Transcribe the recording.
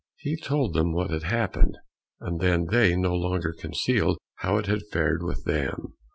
He told them what had happened, and then they no longer concealed how it had fared with them.